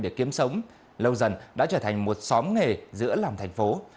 để kiếm sống lâu dần đã trở thành một xóm nghề giữa lòng thành phố